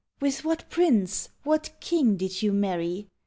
With what prince, what king did you marry?